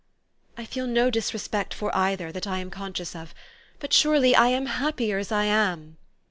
"I feel no disrespect for either, that I am con scious of; but surely I am happier as I am."